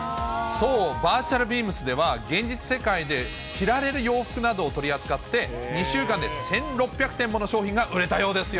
そう、バーチャルビームスでは、現実世界で着られる洋服などを取り扱って、２週間で１６００点もの商品が売れたようですよ。